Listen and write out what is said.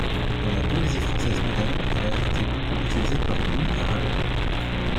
Dans la poésie française moderne, il a été beaucoup utilisé par Louis Aragon.